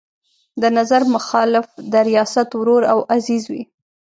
د نظر مخالف د ریاست ورور او عزیز وي.